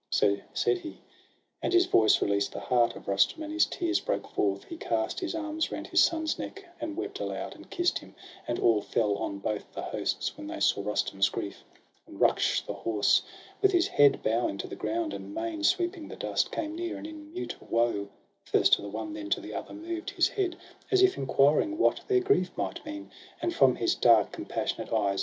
So said he, and his voice released the heart Of Rustum, and his tears broke forth; he cast His arms round his son's neck, and wept aloud, And kiss'd him. And awe fell on both the hosts, When they saw Rustum's grief; and Ruksh the horse. With his head bowing to the ground and mane Sweeping the dust, came near, and in mute woe First to the one then to the other moved His head, as if enquiring what their grief Might mean; and from his dark, compassionate eyes.